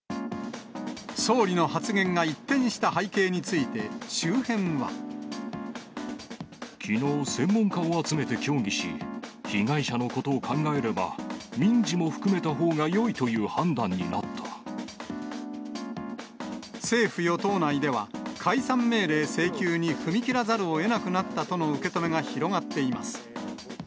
総理の発言が一転した背景にきのう、専門家を集めて協議し、被害者のことを考えれば、民事も含めたほうがよいという判断にな政府・与党内では、解散命令請求に踏み切らざるをえなくなったとの受け止めが広がっています。